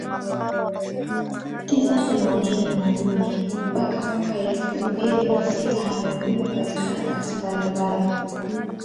tisa themanini na nne mpaka mwaka elfu mbili na sita amehudumu katika nafasi mbalimbali